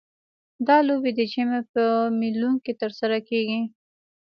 دا لوبې د ژمي په میلوں کې ترسره کیږي